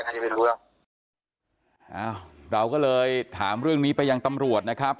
จะไม่รู้หรอกอ้าวเราก็เลยถามเรื่องนี้ไปยังตำรวจนะครับ